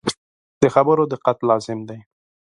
د خبرو دقت لازم دی.